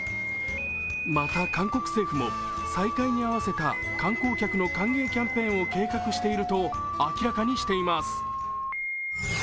また韓国政府も再開に合わせた観光客の歓迎キャンペーンを計画していると明らかにしています。